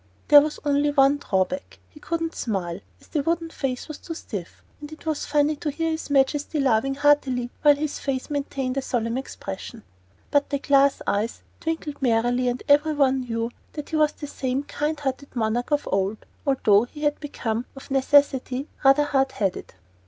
There was only one drawback he couldn't smile, as the wooden face was too stiff; and it was funny to hear his Majesty laughing heartily while his face maintained a solemn expression. But the glass eyes twinkled merrily and every one knew that he was the same kind hearted monarch of old, although he had become, of necessity, rather hard headed.